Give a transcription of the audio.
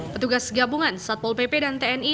petugas gabungan satpol pp dan tni